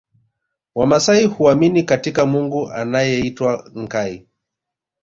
Wamasai huamini katika Mungu anayeitwa Nkai